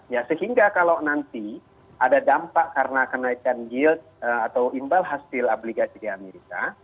ya sehingga kalau nanti ada dampak karena kenaikan yield atau imbal hasil obligasi di amerika